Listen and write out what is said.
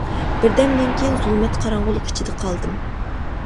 بىردەمدىن كىيىن زۇلمەت قاراڭغۇلۇق ئىچىدە قالدىم.